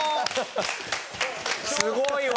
すごいわ！